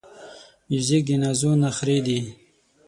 موزیک د نازو نخری دی.